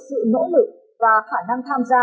sự nỗ lực và khả năng tham gia